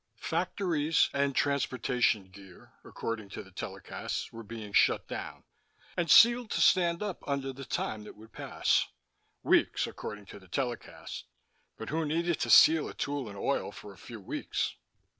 Factories and transportation gear according to the telecasts were being shut down and sealed to stand up under the time that would pass "weeks," according to the telecast, but who needed to seal a tool in oil for a few weeks?